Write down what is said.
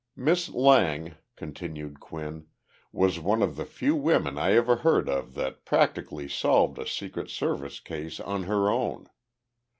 Miss Lang [continued Quinn] was one of the few women I ever heard of that practically solved a Secret Service case "on her own."